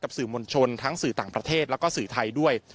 สื่อมวลชนทั้งสื่อต่างประเทศแล้วก็สื่อไทยด้วย